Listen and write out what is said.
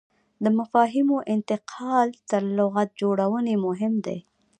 د مفاهیمو انتقال تر لغت جوړونې مهم دی.